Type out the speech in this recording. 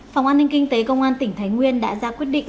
phòng an ninh kinh tế công an tỉnh thái nguyên đã ra quyết định